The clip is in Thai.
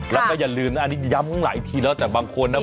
แล้วก็อย่าลืมนะอันนี้ย้ำหลายทีแล้วแต่บางคนนะ